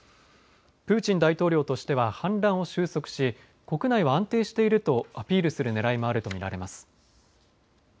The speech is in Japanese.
プーチン大統領としては反乱を収束し国内は安定しているとアピールするねらいもあると見られます。